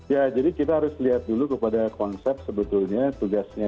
ya jadi kita harus lihat dulu kepada konsep sebetulnya tugasnya